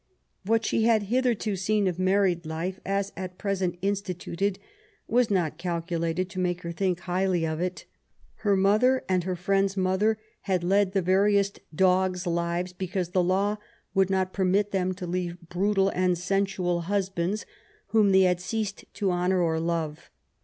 What she had hitherto seen of married life, as at present instituted, was not calculated to make her think highly of it. Her mother and her friend's mother had led the veriest dogs' lives because the law would not permit them to leave brutal and sen sual husbands, whom they had ceased to honour or love.